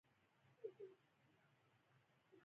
بزګر ته زوی د شنې خاورې دی